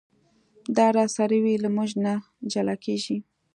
دا راسره وي له مونږه نه جلا کېږي.